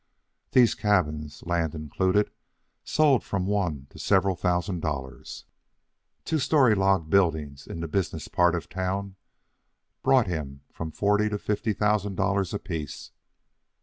These cabins, land included, sold at from one to several thousand dollars. Two story log buildings, in the business part of town, brought him from forty to fifty thousand dollars apiece.